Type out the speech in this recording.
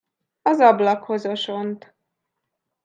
Az ablakhoz osont.